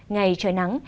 ngày trời nắng